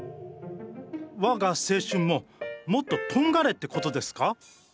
我が青春ももっととんがれってことですか？